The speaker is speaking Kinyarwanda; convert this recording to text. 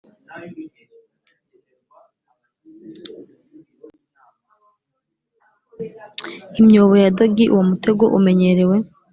imyobo ya dodgy, uwo mutego umenyerewe.